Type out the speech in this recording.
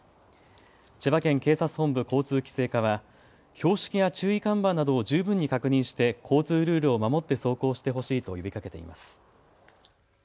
千葉県警察本部交通規制課は標識や注意看板などを十分に確認して交通ルールを守って走行してほしいと呼びかけています。